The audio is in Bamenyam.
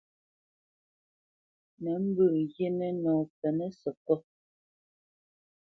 Nǝ̌ mbǝ̄ghinǝ nɔ pɛ́nǝ̄ sǝkôt.